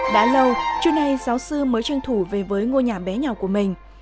đã lâu trưa nay giáo sư mới trang thủ về với ngôi nhà bé nhỏ của mình